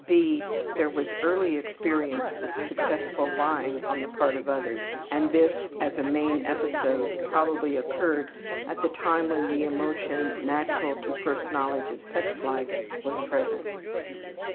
(b) There was early experience with successful lying on the part of others, and this as a main episode probably occurred at the time when the emotion natural to first knowledge of sex life was present.